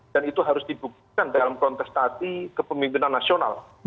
dan itu harus dibuktikan dalam konteks tadi kepemimpinan nasional